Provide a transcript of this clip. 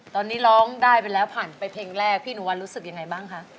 ตอนนี้ร้องได้ไปแล้วผ่านไปเพลงแรกพี่หนูวันรู้สึกยังไงบ้างคะ